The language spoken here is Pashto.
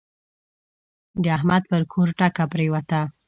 د احمد پر کور ټکه پرېوته.